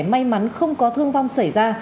may mắn không có thương vong xảy ra